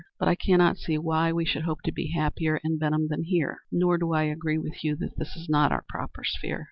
But I cannot see why we should hope to be happier in Benham than here, nor do I agree with you that this is not our proper sphere.